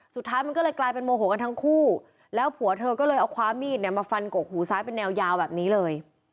สุดท้ายมันก็เลยกลายเป็นโมโหกันทั้งคู่แล้วผัวเธอก็เลยเอาคว้ามีดเนี่ยมาฟันกกหูซ้ายเป็นแนวยาวแบบนี้เลย